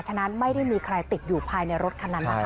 ฉะนั้นไม่ได้มีใครติดอยู่ภายในรถคันนั้นนะคะ